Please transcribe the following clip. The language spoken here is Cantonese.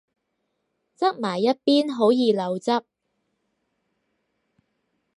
側埋一邊好易漏汁